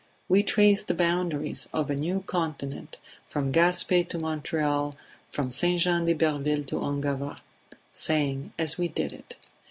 We traced the boundaries of a new continent, from Gaspe to Montreal, from St. Jean d'Iberville to Ungava, saying as we did it.